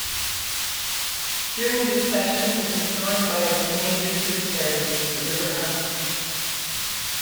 During this section it is joined by its major tributary, the River Hamps.